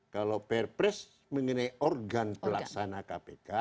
kalau perpres mengenai organ pelaksana kpk